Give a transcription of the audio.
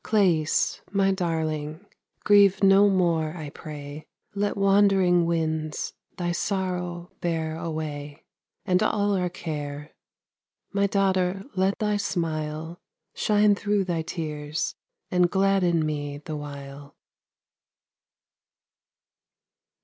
Clëis, my darling, grieve no more, I pray! Let wandering winds thy sorrow bear away, And all our care; my daughter, let thy smile Shine through thy tears and gladden me the while.